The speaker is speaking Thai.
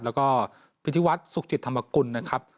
แล้วก็พิธีวัฒน์สุขจิตธรรมกุลนะครับ